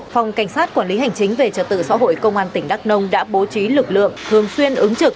phòng cảnh sát quản lý hành chính về trật tự xã hội công an tỉnh đắk nông đã bố trí lực lượng thường xuyên ứng trực